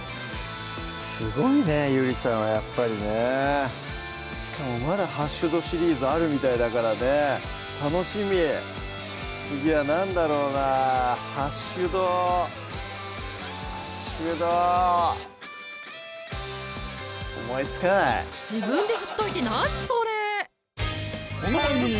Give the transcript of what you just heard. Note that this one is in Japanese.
すごいねゆりさんはやっぱりねしかもまだハッシュドシリーズあるみたいだからね楽しみ次は何だろうなハッシュドハッシュド思いつかない自分で振っといて何それー！